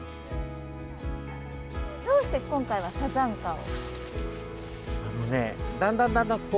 どうして今回はサザンカを？